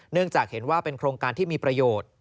เนื่องจากเห็นว่าเป็นโครงการที่มีประโยชน์